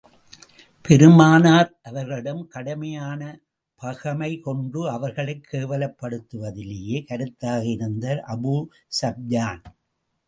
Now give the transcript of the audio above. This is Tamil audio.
பெருமானார் அவர்களிடம் கடுமையான பகைமை கொண்டு, அவர்களைக் கேவலப்படுத்துவதிலேயே கருத்தாக இருந்தவர் அபூ ஸூப்யான்.